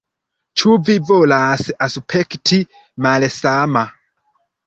Ĉu vi volas aspekti malsama?